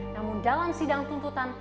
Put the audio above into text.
namun dalam sidang tuntutan